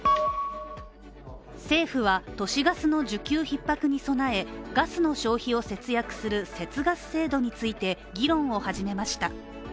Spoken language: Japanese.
政府は都市ガスの需給ひっ迫に供え、ガスの消費を節約する節ガス制度について議論を始めました。